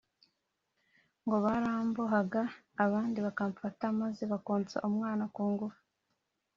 ngo barambohaga abandi bakamfata maze bakonsa umwana kungufu